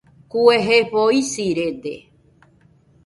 Kue jefo isirede